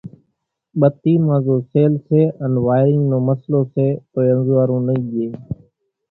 ٻتي مان زو سيل سي ان وائيرينگ نو مسئلو سي توئي انزوئارون نئي ڄي۔